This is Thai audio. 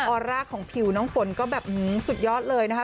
อร่าของผิวน้องฝนก็แบบสุดยอดเลยนะคะ